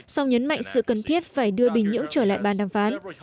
sau nhấn mạnh sự cần thiết phải đưa bình nhưỡng trở lại ban đàm phán